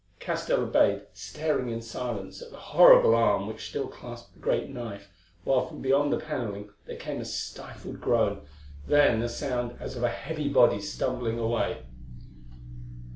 Castell obeyed, staring in silence at the horrible arm which still clasped the great knife, while from beyond the panelling there came a stifled groan, then a sound as of a heavy body stumbling away.